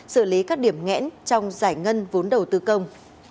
xử lý các điểm ngẽn trong giải ngân vốn đầu tư công